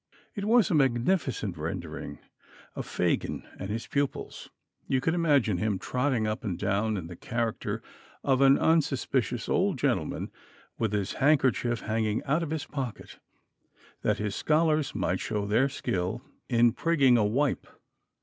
It was a magnificent rendering of Fagin and his pupils. You could imagine him trotting up and down in the character of an unsuspicious old gentleman with his handkerchief hanging out of his pocket, that his scholars might show their skill in prigging a wipe.